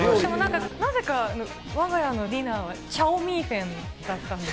なぜかわが家のディナーはチャオミーフェンだったんです。